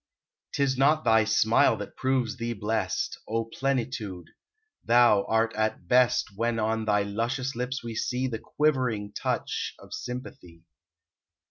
Tis not thy smile that proves thee blest, O Plenitude. Thou art at best When on thy luscious lips we see The quivering touch of Sympathy.